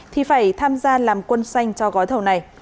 thì phải tham gia làm quân xanh cho gói thầu này